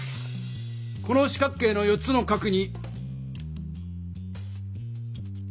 この四角形の４つの角に。